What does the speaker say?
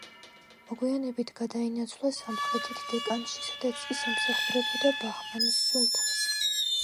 მოგვიანებით, გადაინაცვლა სამხრეთით დეკანში, სადაც ის ემსახურებოდა ბაჰმანის სულთანს.